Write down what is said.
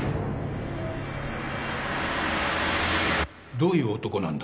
どういう男なんだ？